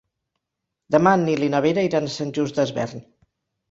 Demà en Nil i na Vera iran a Sant Just Desvern.